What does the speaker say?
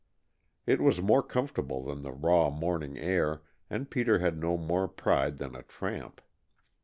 It was more comfortable than the raw morning air, and Peter had no more pride than a tramp.